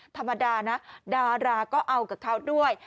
ธรรมดานะดาราก็เอากับเขาด้วย